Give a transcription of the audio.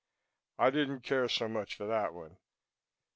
I didn't care so much for that one.